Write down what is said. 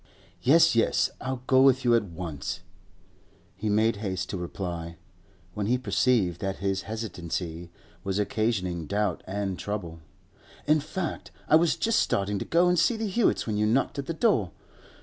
'Yes, yes; I'll go with you at once,' he made haste to reply, when he perceived that his hesitancy was occasioning doubt and trouble. 'In fact, I was just starting to go and see the Hewetts when you knocked at the door.